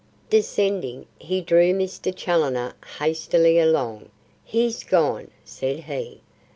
Descending, he drew Mr. Challoner hastily along. "He's gone," said he.